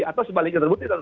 atau sebaliknya terbukti